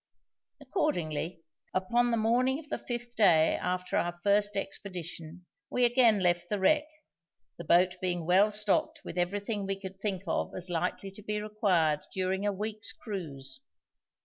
Accordingly, upon the morning of the fifth day after our first expedition we again left the wreck, the boat being well stocked with everything we could think of as likely to be required during a week's cruise.